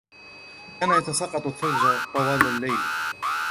كان الثلج يتساقط طوال الليل.